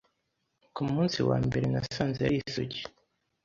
ku munsi wa mbere nasanze ari isugi.